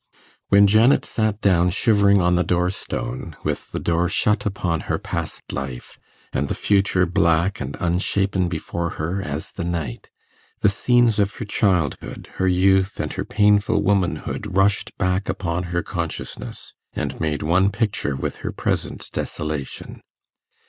When Janet sat down shivering on the door stone, with the door shut upon her past life, and the future black and unshapen before her as the night, the scenes of her childhood, her youth and her painful womanhood, rushed back upon her consciousness, and made one picture with her present desolation.